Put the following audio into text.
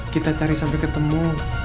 kita cari sampai ketemu